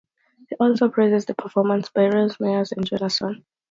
He also praised the performances by Rhys Meyers and Johansson.